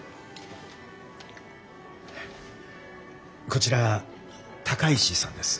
こちら高石さんです。